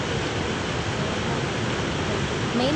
美洲鳗鲡鱼类。